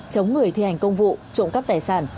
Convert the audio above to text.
chống người thi hành công vụ trộm cắp tài sản